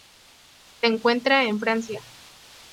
Se encuentra en Francia.